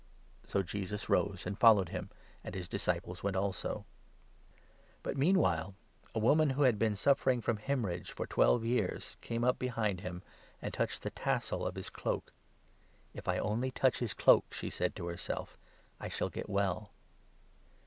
So Jesus rose and followed him, and his disciples went 19 also. But meanwhile a woman, who had been suffer 20 Cure of 'in& fr°nl haemorrhage for twelve years, came up an afflicted behind and touched the tassel of his cloak. woman. " If I only touch his cloak," she said to herself, 21 "I shall get well."